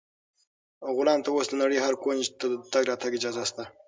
غلام ته اوس د نړۍ هر کونج ته د تګ اجازه شته.